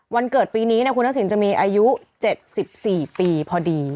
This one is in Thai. วันเกิด๔ปีนี้เนี่ยคุณทักศิลป์จะมีอายุ๗๔ปีพอดี